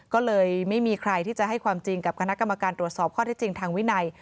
ก็เลยไม่มีใครที่จะให้ความจริงกับคณะกรรมการตรวจสอบข้อที่จริงทางวินัย